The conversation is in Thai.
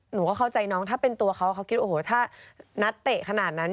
หนูก็เข้าใจน้องถ้าเป็นตัวเขาเขาคิดโอ้โหถ้านัดเตะขนาดนั้น